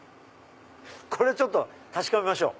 これ確かめましょう。